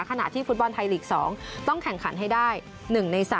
ขณะที่ฟุตบอลไทยลีก๒ต้องแข่งขันให้ได้๑ใน๓